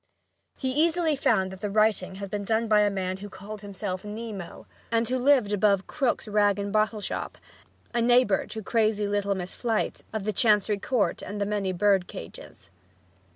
He easily found that the writing had been done by a man who called himself "Nemo," and who lived above Krook's rag and bottle shop, a neighbor to crazy little Miss Flite of the Chancery Court and the many bird cages.